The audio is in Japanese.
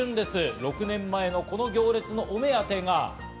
６年前のこの行列のお目当てが。